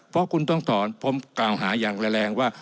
เพราะคุณต้องถอนผมกล่าวหาอย่างแรงว่า